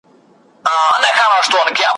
سترګو چي مي ستا لاري څارلې اوس یې نه لرم ,